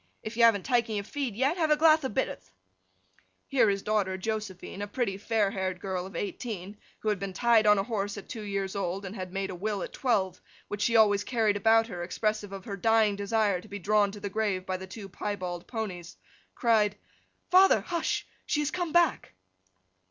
If you haven't took your feed yet, have a glath of bitterth.' Here his daughter Josephine—a pretty fair haired girl of eighteen, who had been tied on a horse at two years old, and had made a will at twelve, which she always carried about with her, expressive of her dying desire to be drawn to the grave by the two piebald ponies—cried, 'Father, hush! she has come back!